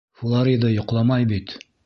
Флорида йоҡламай бит.